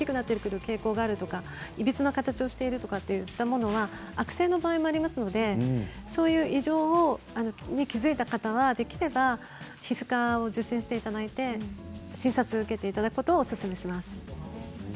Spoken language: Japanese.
非常に濃くなって大きくなっていく傾向があるとかいびつな形をしているものは悪性の場合もありますので異常に気付いた方はできれば皮膚科を受診していただいて診察を受けていただくことをおすすめします。